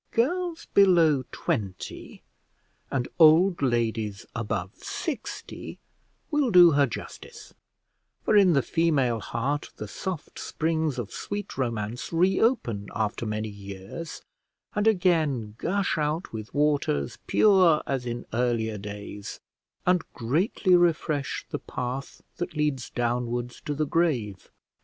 Girls below twenty and old ladies above sixty will do her justice; for in the female heart the soft springs of sweet romance reopen after many years, and again gush out with waters pure as in earlier days, and greatly refresh the path that leads downwards to the grave.